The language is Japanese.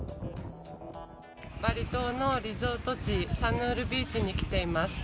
バリ島のリゾート地、サヌールビーチに来ています。